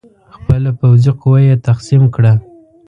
خپله پوځي قوه یې تقسیم کړه.